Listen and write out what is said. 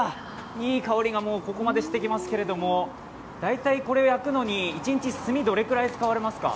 いい香りがここまでしてきますけれども大体これを焼くのに一日炭をどのくらい使いますか。